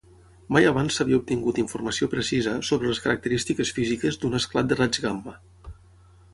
Mai abans s'havia obtingut informació precisa sobre les característiques físiques d'un esclat de raigs gamma.